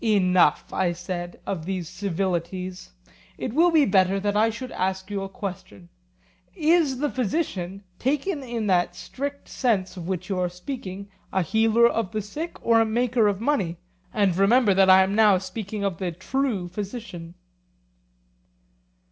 Enough, I said, of these civilities. It will be better that I should ask you a question: Is the physician, taken in that strict sense of which you are speaking, a healer of the sick or a maker of money? And remember that I am now speaking of the true physician.